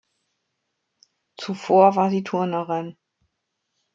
Zuvor war sie Turnerin.